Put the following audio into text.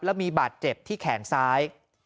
แล้วมีบาดเจ็บที่แขนซ้าย